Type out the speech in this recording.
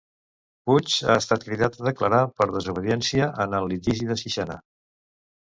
Puig ha estat cridat a declarar per desobediència en el litigi de Sixena.